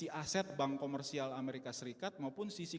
ini mempengaruhi sisi aset bank komersial amerika serikat maupun sisi kondisi